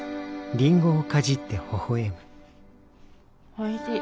おいしい。